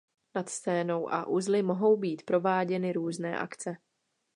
Nad scénou a uzly mohou být prováděny různé akce.